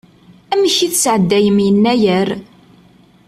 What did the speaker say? Amek i tesɛeddayem Yennayer?